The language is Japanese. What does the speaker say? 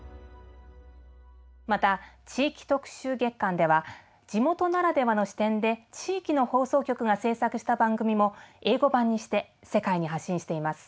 また「地域特集月間」では地元ならではの視点で地域の放送局が制作した番組も英語版にして世界に発信しています。